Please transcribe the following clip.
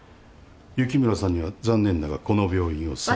雪村さんには残念だがこの病院を。